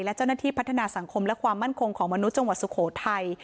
และเจ้าหน้าที่พัฒนาสังคมและความมั่นคงของมนุษย์จังหวัดสุโขทัย